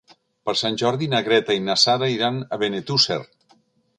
Per Sant Jordi na Greta i na Sara iran a Benetússer.